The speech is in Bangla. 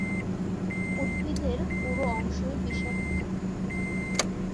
উদ্ভিদের পুরো অংশই বিষাক্ত।